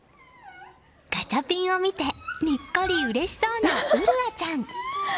ガチャピンを見てにっこりうれしそうな麗愛ちゃん。